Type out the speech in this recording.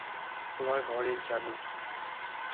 তোমার ঘরের চাবি।